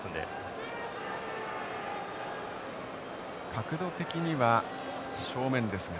角度的には正面ですが。